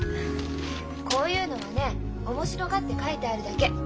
こういうのはね面白がって書いてあるだけ。